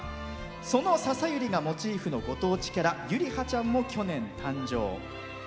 そのササユリがモチーフのご当地キャラ、ゆりはちゃんも去年、誕生。